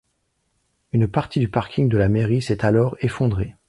Une partie du parking de la mairie s'est alors effondrée.